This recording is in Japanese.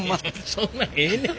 そんなんええねん。